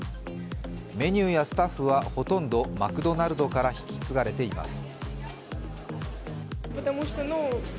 メニューやスタッフは、ほとんどマクドナルドから引き継がれています。